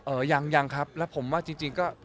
ยังยังครับแล้วผมว่าจริงก็